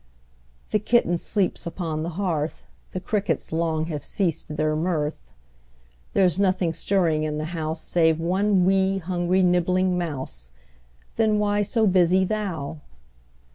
The kitten sleeps upon the hearth, The crickets long have ceased their mirth; There's nothing stirring in the house Save one 'wee', hungry, nibbling mouse, Then why so busy thou?